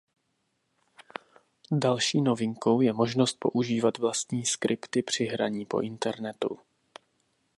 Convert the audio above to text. Další novinkou je možnost používat vlastní skripty při hraní po internetu.